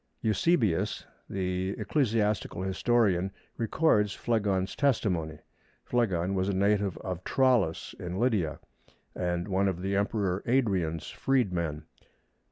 Eusebius, the ecclesiastical historian, records Phlegon's testimony. Phlegon was a native of Tralles in Lydia, and one of the Emperor Adrian's freedmen.